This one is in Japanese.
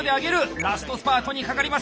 ラストスパートにかかります。